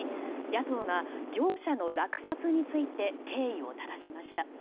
野党が業者の落札について経緯を正しました。